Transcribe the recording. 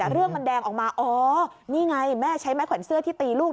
แต่เรื่องมันแดงออกมาอ๋อนี่ไงแม่ใช้ไม้แขวนเสื้อที่ตีลูก